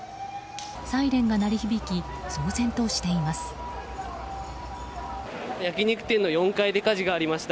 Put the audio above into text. サイレンが鳴り響き騒然としています。